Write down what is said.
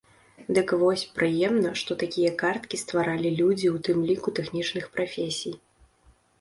Дык вось, прыемна, што такія карткі стваралі людзі ў тым ліку тэхнічных прафесій.